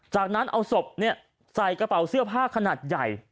จากนั้นเอาศพใส่กระเป๋าเสื้อผ้าขนาดใหญ่